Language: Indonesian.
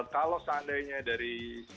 kalau seandainya dari